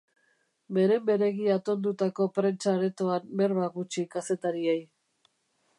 Beren-beregi atondutako prentsa-aretoan berba gutxi kazetariei.